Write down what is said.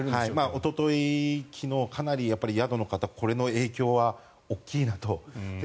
おととい、昨日かなり宿の方これの影響は大きいなと。